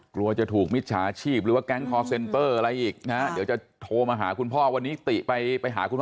กลัวจะถูกมิจฉาชีพหรือว่าแก๊งคอร์เซ็นเตอร์อะไรอีกนะเดี๋ยวจะโทรมาหาคุณพ่อวันนี้ติไปไปหาคุณพ่อ